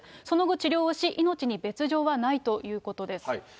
その後、治療をし、命に別状はないということです。